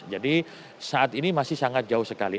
jadi saat ini masih sangat jauh sekali